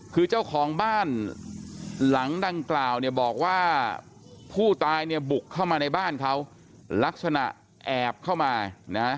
คือเจ้าของบ้านหลังดังกล่าวเนี่ยบอกว่าผู้ตายเนี่ยบุกเข้ามาในบ้านเขาลักษณะแอบเข้ามานะ